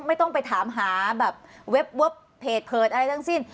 ไม่ต้องไปถามหาแบบเว็บเพจอะไรทั้งสิ้น